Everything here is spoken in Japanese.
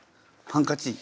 ハンカチ。